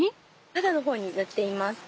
肌の方に塗っています。